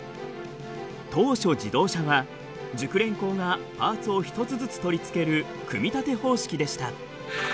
当初自動車は熟練工がパーツを一つずつ取り付ける組み立て方式でした。